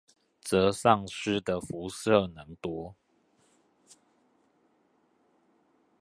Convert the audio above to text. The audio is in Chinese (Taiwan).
則喪失的輻射能多